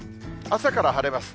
朝から晴れます。